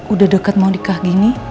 udah dekat mau nikah gini